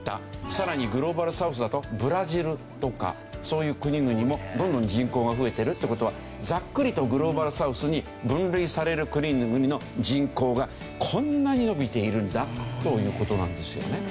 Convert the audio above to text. さらにグローバルサウスだとブラジルとかそういう国々もどんどん人口が増えてるって事はざっくりとグローバルサウスに分類される国々の人口がこんなに伸びているんだという事なんですよね。